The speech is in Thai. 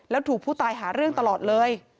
แล้วถูกผู้ตายหาเรื่องตลอดเลย